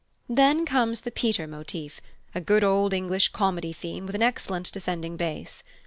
Then comes the Peter motif a good Old English comedy theme with an excellent descending bass.